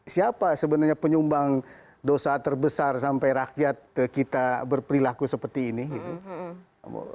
siapa sebenarnya penyumbang dosa terbesar sampai rakyat kita berperilaku seperti ini gitu